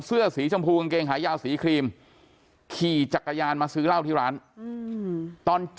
เสื้อสีชมพูกางเกงขายาวสีครีมขี่จักรยานมาซื้อเหล้าที่ร้านตอน